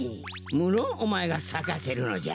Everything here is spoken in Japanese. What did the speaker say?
むろんおまえがさかせるのじゃ。